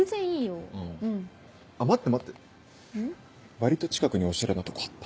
割と近くにオシャレなとこあった。